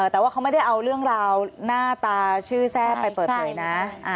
แต่ว่าเขาไม่ได้เอาเรื่องราวหน้าตาชื่อแซ่บไปเปิดเผยนะ